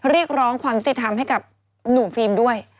เรียกร้องความยุติธรรมให้กับหนุ่มฟิล์มด้วย